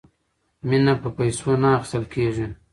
مینه په پیسو نه اخیستل کیږي.